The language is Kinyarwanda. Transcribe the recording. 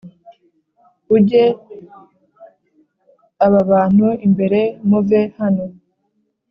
ujye aba bantu imbere muve hano,